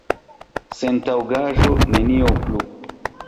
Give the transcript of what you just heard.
Sentaŭgaĵo, nenio plu!